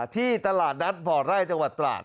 ที่ตลาดนัดบ่อไร่จังหวัดตราด